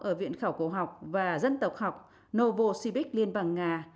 ở viện khảo cổ học và dân tộc học novosibirsk liên bằng nga